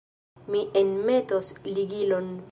Mi enmetos ligilon.